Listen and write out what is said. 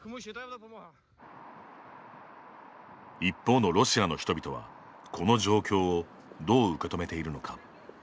一方のロシアの人々はこの状況をどう受け止めているのか。